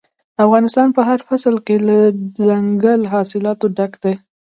افغانستان په هر فصل کې له دځنګل حاصلاتو ډک دی.